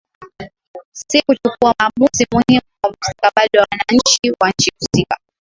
s kuchukua maamuzi muhimu kwa mustakabali wa wananchi wa nchi husika